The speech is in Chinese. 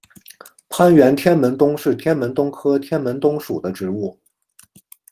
攀援天门冬是天门冬科天门冬属的植物。